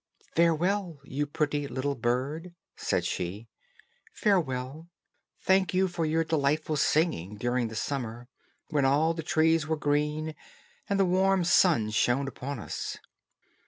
"Farewell, you pretty little bird," said she, "farewell; thank you for your delightful singing during the summer, when all the trees were green, and the warm sun shone upon us."